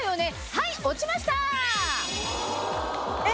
はい落ちました！